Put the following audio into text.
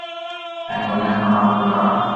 ھين مني ھڻاو ڀلا